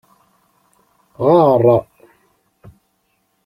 Ɣeṛ.